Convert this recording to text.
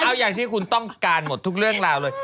เอาอย่างที่คุณต้องการหมดทุกเรื่องราวเลย